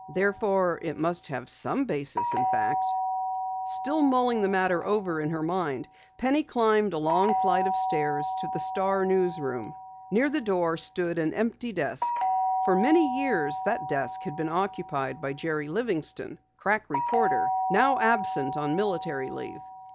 Therefore, it must have some basis of fact. Still mulling the matter over in her mind, Penny climbed a long flight of stairs to the Star news room. Near the door stood an empty desk. For many years that desk had been occupied by Jerry Livingston, crack reporter, now absent on military leave.